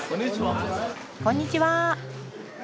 こんにちは。